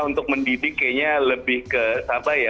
untuk mendidik kayaknya lebih ke apa ya